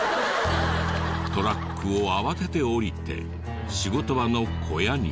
トラックを慌てて降りて仕事場の小屋に。